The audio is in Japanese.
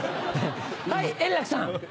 はい円楽さん。